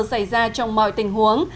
xảy ra trong mọi tình huống